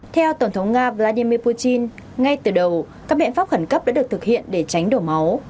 theo tổng thống nga vladimir putin ngay từ đầu các biện pháp khẩn cấp đã được thực hiện để tránh đổ máu